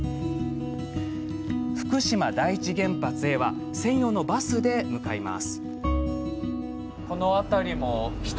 福島第一原発へは専用のバスで向かいます。